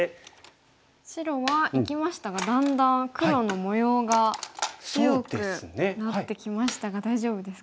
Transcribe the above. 白は生きましたがだんだん黒の模様が強くなってきましたが大丈夫ですか？